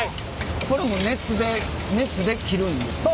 これも熱で切るんですか？